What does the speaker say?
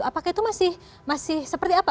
apakah itu masih seperti apa